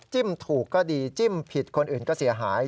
ถูกก็ดีจิ้มผิดคนอื่นก็เสียหาย